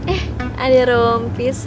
eh ada rompis